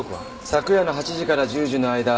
昨夜の８時から１０時の間。